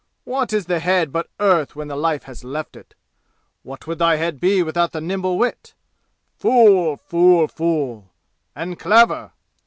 What is the head but earth when the life has left it? What would thy head be without the nimble wit? Fool fool fool! And clever!